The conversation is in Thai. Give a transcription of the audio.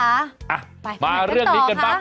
ไปกันต่อค่ะมาเรื่องนี้กันป่ะ